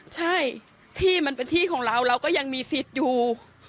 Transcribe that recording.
ใช่ที่มันเป็นที่ของเราเราก็ยังมีสิทธิ์อยู่